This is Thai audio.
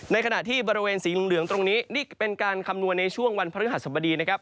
ขณะที่บริเวณสีเหลืองตรงนี้นี่เป็นการคำนวณในช่วงวันพฤหัสบดีนะครับ